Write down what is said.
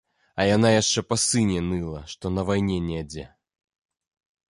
А яна яшчэ па сыне ныла, што на вайне недзе.